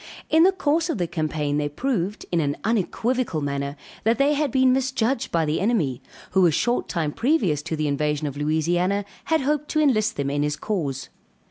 In the course of the campaign they proved, in an unequivocal manner, that they had been misjudged by the enemy, who a short time previous to the invasion of Louisiana, had hoped to enlist them in his cause.